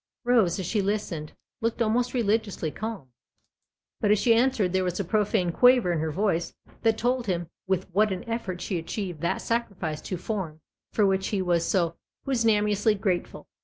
Rose, as she listened, looked almost religiously 196 THE OTHER HOUSE calm, but as she answered there was a profane quaver in her voice that told him with what an effort she achieved that sacrifice to form for which he was so pusillanimously grateful.